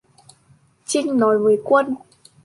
Trinh nói với quân